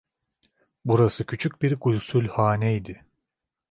Burası küçük bir gusülhaneydi.